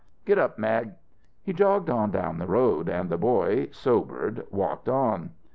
Git up, Mag!" He jogged on down the road, and the boy, sobered walked on.